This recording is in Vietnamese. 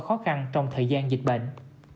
khó khăn trong thời gian dịch bệnh